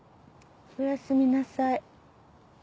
おやすみなさい。